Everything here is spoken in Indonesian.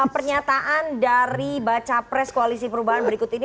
pernyataan dari baca pres koalisi perubahan berikut ini